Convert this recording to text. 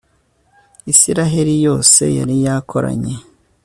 israheli yose yari yakoranye